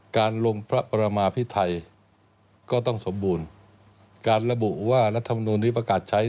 การลงพระประมาพิไทยก็ต้องสมบูรณ์การระบุว่ารัฐมนุนนี้ประกาศใช้